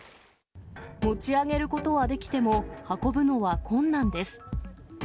持ち上げることはできても運ぶのは困難です。